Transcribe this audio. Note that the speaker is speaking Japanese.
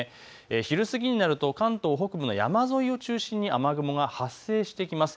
昼過ぎになると関東北部の山沿いを中心に雨雲が発生してきます。